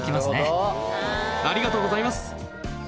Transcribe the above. ありがとうございます。